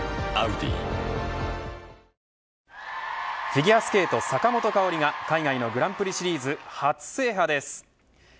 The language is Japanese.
フィギュアスケート坂本花織が海外のグランプリシリーズ初制覇です。